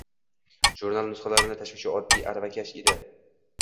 Jurnal nusxalarini tashuvchi oddiy aravakash edi.